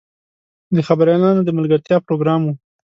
د خبریالانو د ملګرتیا پروګرام و.